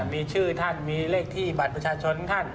มีชื่อท่านมีเลขที่บัตรประชาชนท่าน